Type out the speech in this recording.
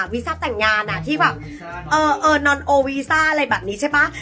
วีซ่าแต่งงานที่แบบนอนโอวีซ่าอะไรแบบนี้ใช่ป่ะ